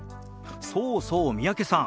そうそう三宅さん